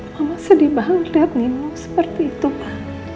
mama sedih banget liat nino seperti itu pa